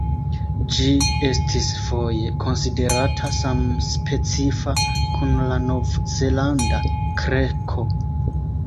Ĝi estis foje konsiderata samspecifa kun la Novzelanda kreko.